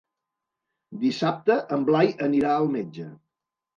Dissabte en Blai anirà al metge.